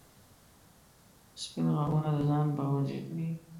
• سپین غاښونه د ځان باور زیاتوي.